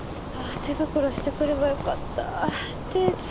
手袋してくればよかった手冷